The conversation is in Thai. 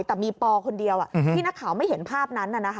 แต่มีปอคนเดียวที่นักข่าวไม่เห็นภาพนั้น